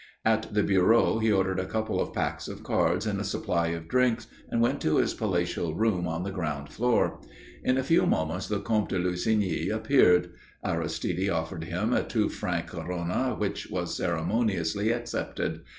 At the bureau he ordered a couple of packs of cards and a supply of drinks and went to his palatial room on the ground floor. In a few moments the Comte de Lussigny appeared. Aristide offered him a two francs corona which was ceremoniously accepted.